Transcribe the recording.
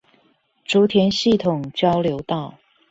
竹田系統交流道